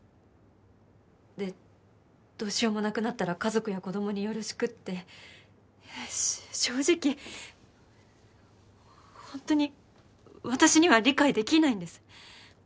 でどうしようもなくなったら家族や子供によろしくって正直ホントに私には理解できないんです。